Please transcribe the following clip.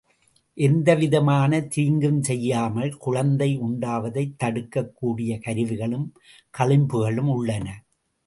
எந்தவிதமான தீங்கும் செய்யாமல் குழந்தை உண்டாவதைத் தடுக்கக் கூடிய கருவிகளும் களிம்புகளும் உள்ளன.